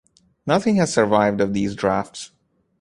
Nothing has survived of these drafts.